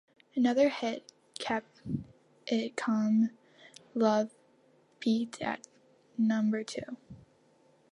Another hit, "Keep It Comin' Love", peaked at number two.